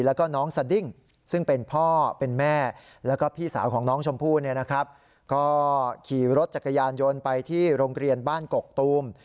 แล้วก็น้องสดิ้งซึ่งเป็นพ่อเป็นแม่แล้วก็พี่สาวของน้องชมพู่เนี่ยนะครับก็ขี่รถจักรยานยนต์ไปที่โรงเรียนบ้านกกตูม